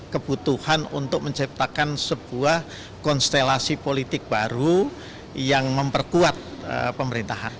kebutuhan untuk menciptakan sebuah konstelasi politik baru yang memperkuat pemerintahan